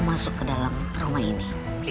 masuk ke dalam rumah ini